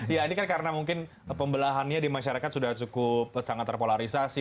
ya ini kan karena mungkin pembelahannya di masyarakat sudah cukup sangat terpolarisasi